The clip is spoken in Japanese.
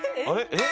えっ？